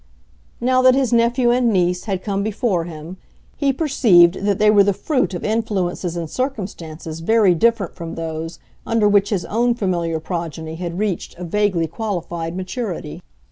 Now that his nephew and niece had come before him, he perceived that they were the fruit of influences and circumstances very different from those under which his own familiar progeny had reached a vaguely qualified maturity.